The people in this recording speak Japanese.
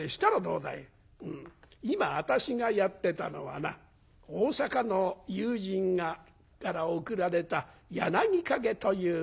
「今私がやってたのはな大阪の友人から送られた『柳陰』というお酒だ。